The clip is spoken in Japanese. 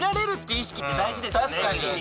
確かに！